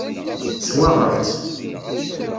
Swaɣeɣ-tt.